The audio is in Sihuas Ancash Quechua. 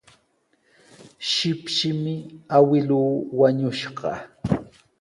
Shipshimi awkilluu wañushqa.